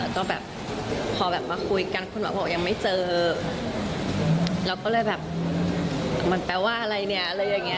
ก็แบบพอแบบมาคุยกันคุณหมอบอกยังไม่เจอเราก็เลยแบบมันแปลว่าอะไรเนี่ยอะไรอย่างเงี้